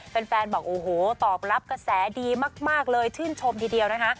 แฟนบอกโอ้โหตอบรับกระแสดีมากเลยชื่นชมทีเดียวนะคะ